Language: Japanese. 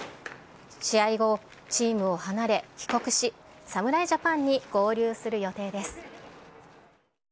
試合後、チームを離れ、帰国し、侍ジャパンに合流する予定です。